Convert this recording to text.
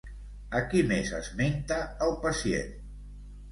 A qui més esmenta el pacient?